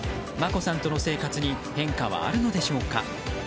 眞子さんとの生活に変化はあるのでしょうか。